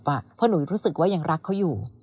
เพราะหนูรู้สึกว่ายังรักเขาอยู่